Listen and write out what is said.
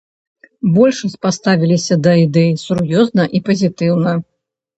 Большасць паставілася да ідэі сур'ёзна і пазітыўна.